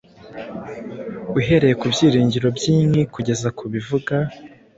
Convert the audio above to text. uhereye ku byiringiro byinhi kugeza kubivuga